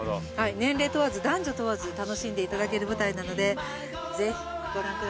年齢問わず男女問わず楽しんでいただける舞台なのでぜひご覧ください。